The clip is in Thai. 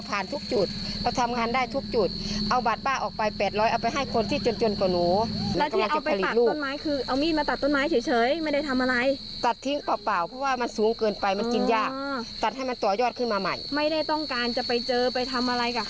ตัดทิ้งเปล่าเพราะว่ามันสูงเกินไปมันชิดยากตัดให้มันต่อยอดขึ้นมาใหม่